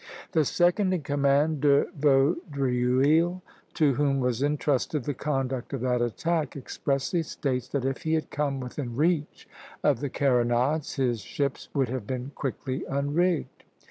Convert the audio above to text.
The second in command, De Vaudreuil, to whom was intrusted the conduct of that attack, expressly states that if he had come within reach of the carronades his ships would have been quickly unrigged.